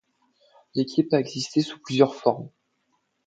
L'équipe a existé sous plusieurs formes.